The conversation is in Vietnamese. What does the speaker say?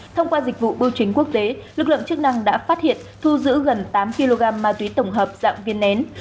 thông qua dịch vụ bưu chính quốc tế lực lượng chức năng đã phát hiện thu giữ gần tám kg ma túy tổng hợp dạng viên nén